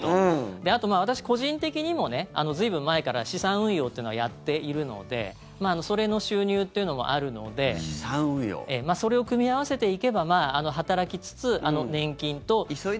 で、あと私個人的にも随分前から資産運用っていうのはやっているのでそれの収入っていうのもあるのでそれを組み合わせていけば働きつつ、年金と。